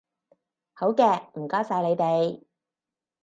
好嘅，唔該曬你哋